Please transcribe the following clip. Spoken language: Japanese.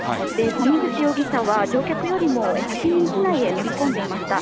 谷口容疑者は乗客よりも先に機内へ乗り込んでいました。